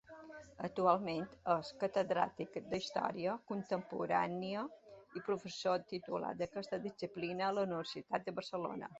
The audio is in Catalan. Actualment és catedràtic d'història contemporània i professor titular d'aquesta disciplina a la Universitat de Barcelona.